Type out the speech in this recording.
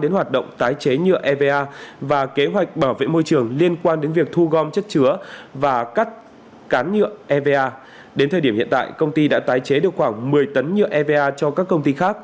đến thời điểm hiện tại công ty đã tái chế được khoảng một mươi tấn nhựa eva cho các công ty khác